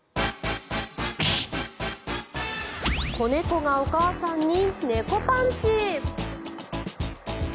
子猫がお母さんに猫パンチ。